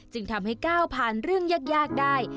จึงทำให้ก้าวผ่านเรื่องยากได้